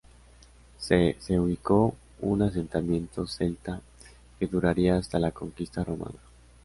C se ubicó un asentamiento celta que duraría hasta la conquista romana.